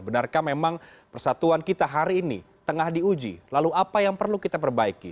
benarkah memang persatuan kita hari ini tengah diuji lalu apa yang perlu kita perbaiki